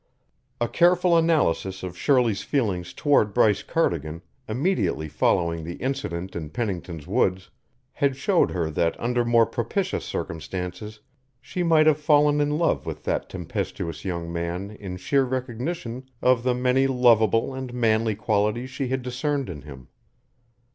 A careful analysis of Shirley's feelings toward Bryce Cardigan immediately following the incident in Pennington's woods, had showed her that under more propitious circumstances she might have fallen in love with that tempestuous young man in sheer recognition of the many lovable and manly qualities she had discerned in him.